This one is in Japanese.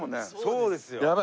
そうですよ。